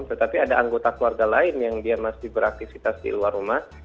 tetapi ada anggota keluarga lain yang dia masih beraktivitas di luar rumah